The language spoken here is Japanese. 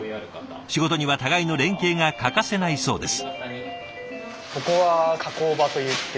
仕事には互いの連携が欠かせないそうです。